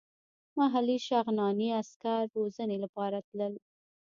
محلي شغناني عسکر روزنې لپاره تلل.